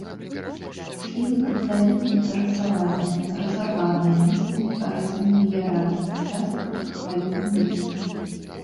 Схілы катлавіны тэрасаваныя, разараныя, месцамі парэзаныя ярамі, частка пад хваёвым лесам.